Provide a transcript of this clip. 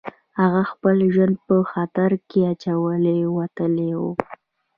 هغه خپل ژوند په خطر کې اچولی او وتلی و